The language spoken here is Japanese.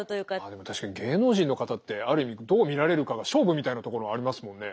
でも確かに芸能人の方ってある意味どう見られるかが勝負みたいなところはありますもんね。